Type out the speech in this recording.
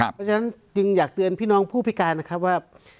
เพราะฉะนั้นจึงอยากเตือนพี่น้องผู้พิการนะครับว่า